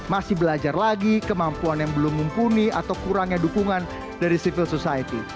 masih belajar lagi kemampuan yang belum mumpuni atau kurangnya dukungan dari civil society